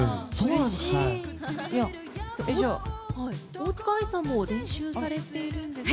大塚愛さんも練習されているんですよね。